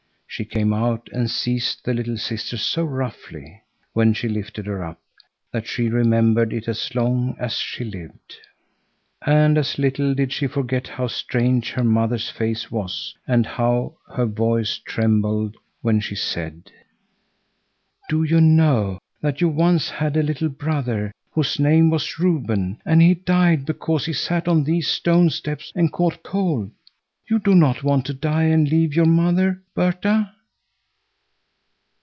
She came out and seized the little sister so roughly, when she lifted her up, that she remembered it as long as she lived. And as little did she forget how strange her mother's face was and how her voice trembled, when she said: "Do you know that you once had a little brother, whose name was Reuben, and he died because he sat on these stone steps and caught cold? You do not want to die and leave your mother, Berta?"